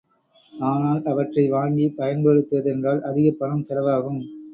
ஆனால் அவற்றை வாங்கிப் பயன்படுத்துவதென்றால் அதிகப் பணம் செலவாகும்.